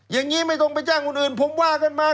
อย่างนี้ไม่ต้องไปจ้างคนอื่นผมว่ากันมา